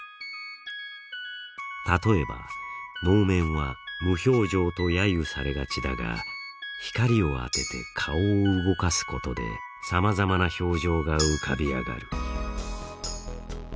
例えば、能面は無表情とやゆされがちだが光を当てて、顔を動かすことでさまざまな表情が浮かび上がる。